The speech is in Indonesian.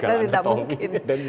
dan tidak mungkin